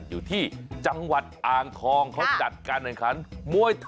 อยู่ที่จังหวัดอ่างคลองเขาจัดการบรรคันมวยทะเล